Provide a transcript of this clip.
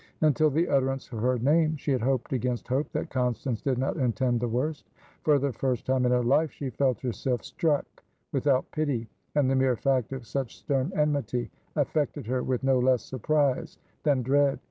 Until the utterance of her name, she had hoped against hope that Constance did not intend the worst. For the first time in her life, she felt herself struck without pity, and the mere fact of such stern enmity affected her with no less surprise than dread.